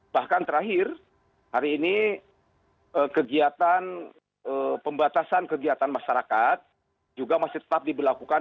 bahkan terakhir hari ini kegiatan pembatasan kegiatan masyarakat juga masih tetap diberlakukan